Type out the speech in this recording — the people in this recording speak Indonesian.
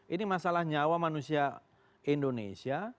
ini masalah nyawa manusia indonesia